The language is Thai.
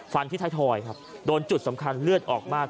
ที่ไทยทอยครับโดนจุดสำคัญเลือดออกมาก